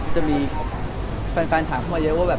จะมีแฟนถามเข้ามาเยอะว่าแบบ